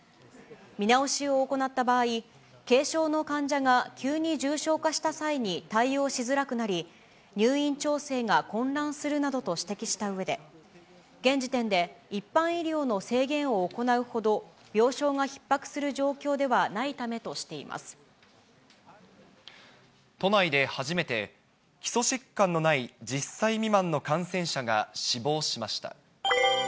見直しを行った場合、軽症の患者が急に重症化した際に対応しづらくなり、入院調整が混乱するなどと指摘したうえで、現時点で一般医療の制限を行うほど、病床がひっ迫する状況ではな都内で初めて、基礎疾患のない１０歳未満の感染者が死亡しました。